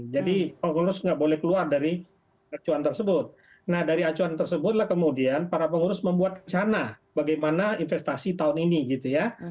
jadi pengurus nggak boleh keluar dari acuan tersebut nah dari acuan tersebut lah kemudian para pengurus membuat rencana bagaimana investasi tahun ini gitu ya